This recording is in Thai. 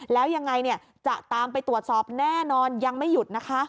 แล้วยังไงจะตามไปตรวจสอบแน่นอนยังไม่หยุดนะคะ